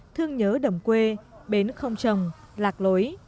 thương nhớ đầm quê bến không trồng lạc lối